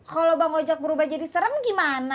kalau bang ojok berubah jadi serem gimana